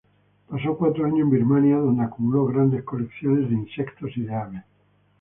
Pasó cuatro años en Birmania, donde acumuló grandes colecciones de insectos y aves.